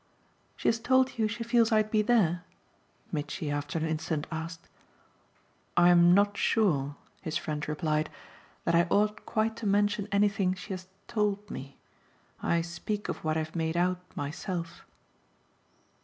"She has told you she feels I'd be there?" Mitchy after an instant asked. "I'm not sure," his friend replied, "that I ought quite to mention anything she has 'told' me. I speak of what I've made out myself."